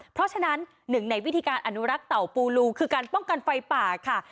เพราะฉะนั้นหนึ่งในวิธีการอนุรักษ์เต่าปูรูคือการป้องกันไฟป่าค่ะ